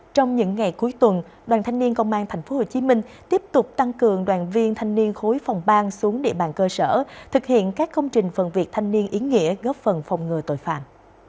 trong những ngày cuối tuần đoàn thanh niên công an tp hcm tiếp tục tăng cường đoàn viên thanh niên khối phòng bang xuống địa bàn cơ sở thực hiện các công trình phần việc thanh niên ý nghĩa góp phần phòng ngừa tội phạm